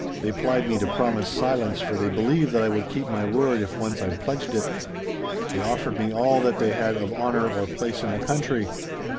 They plied me to promise silence, for they believed that I would keep my word if once I pledged it. They offered me all that they had of honour or place in the country.